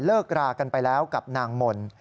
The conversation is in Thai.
รากันไปแล้วกับนางมนต์